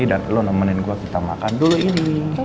dan lo nemenin gue kita makan dulu ini